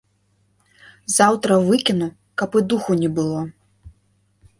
Заўтра выкіну, каб і духу не было.